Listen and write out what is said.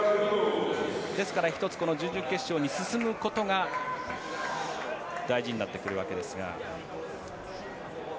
ですから１つ準々決勝に進むことが大事になってくるわけですが。